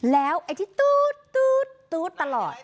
แล้วไอที่ตู๊ดตู๊ดตู๊ดตลอด